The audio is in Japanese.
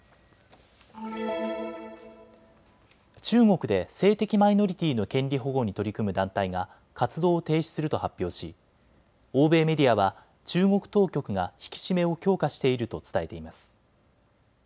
中国で性的マイノリティーの権利保護に取り組む団体が活動を停止すると発表し欧米メディアは中国当局が引き締めを強化していると伝えています。